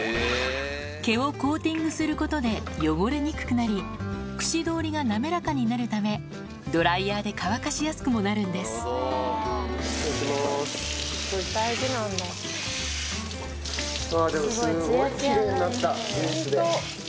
毛をコーティングすることで汚れにくくなりくし通りが滑らかになるためドライヤーで乾かしやすくもなるんです行きます。